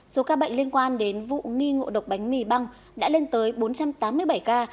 số ca bệnh liên quan đến vụ nghi ngộ độc bánh mì băng đã lên tới bốn trăm tám mươi bảy ca